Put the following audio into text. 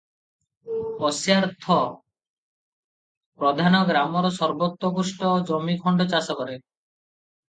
ଅସ୍ୟାର୍ଥ -ପଧାନ ଗ୍ରାମର ସର୍ବୋତ୍କୃଷ୍ଟ ଜମିଖଣ୍ତ ଚାଷ କରେ ।